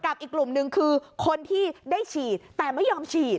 อีกกลุ่มหนึ่งคือคนที่ได้ฉีดแต่ไม่ยอมฉีด